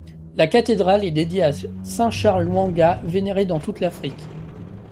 La cathédrale est dédiée à saint Charles Lwanga, vénéré dans toute l'Afrique.